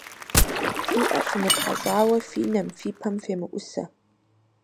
Фи Ӏэр фымытхьэщӀауэ фи нэм, фи пэм фемыӀусэ.